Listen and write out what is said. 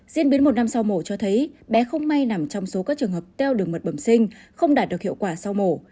diễn biến một năm sau mổ cho thấy bé không may nằm trong số các trường hợp teo đường mật bẩm sinh không đạt được hiệu quả sau mổ